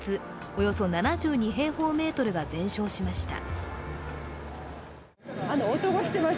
およそ７２平方メートルが全焼しました。